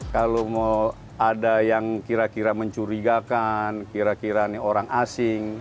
kalau mau ada yang kira kira mencurigakan kira kira ini orang asing